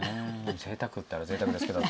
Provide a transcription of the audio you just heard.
ぜいたくったらぜいたくですけど。